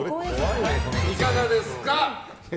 いかがですか？